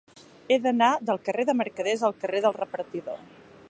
He d'anar del carrer de Mercaders al carrer del Repartidor.